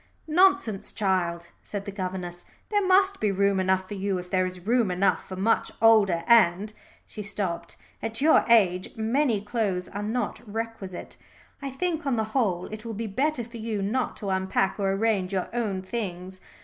"Nonsense, child," said the governess. "There must be room enough for you if there is room enough for much older and " she stopped. "At your age many clothes are not requisite. I think, on the whole, it will be better for you not to unpack or arrange your own things.